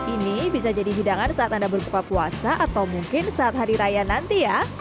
ini bisa jadi hidangan saat anda berbuka puasa atau mungkin saat hari raya nanti ya